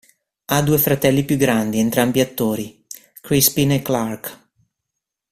Ha due fratelli più grandi, entrambi attori: Crispin e Clark.